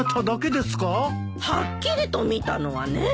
はっきりと見たのはね。